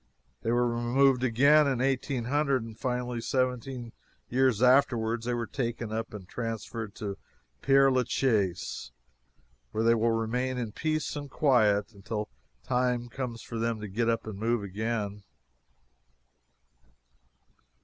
They were removed again in 1800, and finally, seventeen years afterward, they were taken up and transferred to Pere la Chaise, where they will remain in peace and quiet until it comes time for them to get up and move again.